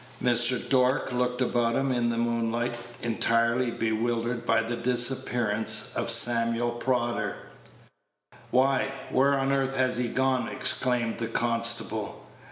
Mr. Dork looked about him in the moonlight, entirely bewildered by the disappearance of Samuel Prodder. "Why, where on earth has he gone?" exclaimed the constable.